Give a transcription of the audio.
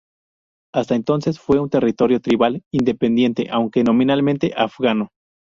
Hasta entonces fue un territorio tribal independiente, aunque nominalmente afgano.